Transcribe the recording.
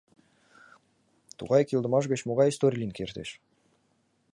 Тугай кӱлдымаш гыч могай историй лийын кертеш?